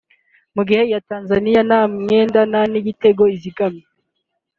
mu gihe iya Tanzania nta mwenda nta n’igitego izigamye